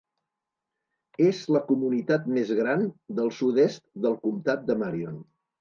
És la comunitat més gran del sud-est del comtat de Marion.